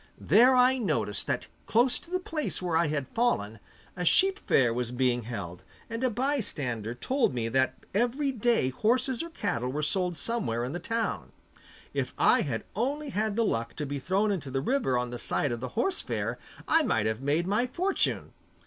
There I noticed that close to the place where I had fallen, a sheep fair was being held, and a bystander told me that every day horses or cattle were sold somewhere in the town. If I had only had the luck to be thrown into the river on the side of the horse fair I might have made my fortune!